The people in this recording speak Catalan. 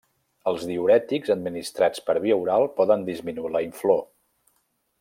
Els diürètics administrats per via oral poden disminuir la inflor.